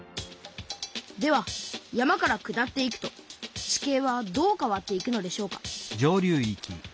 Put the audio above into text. では山から下っていくと地形はどう変わっていくのでしょうか